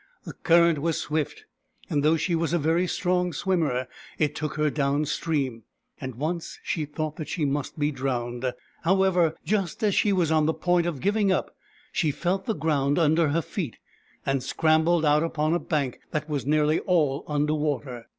The current was swift, and though she was a very strong swimmer, it took her down stream ; and once she thought that she must be drowned. However, just as she was on the point of giving up, she felt the ground under her feet, and scrambled out upon a bank that was nearly all under water.